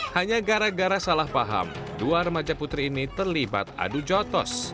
hanya gara gara salah paham dua remaja putri ini terlibat adu jotos